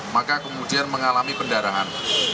maka kemudian mengalami pendarahan